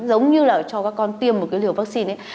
giống như là cho các con tiêm một cái liều vaccine ấy